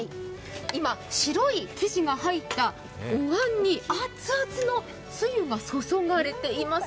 今、白い生地が入ったおわんに熱々のつゆが注がれています。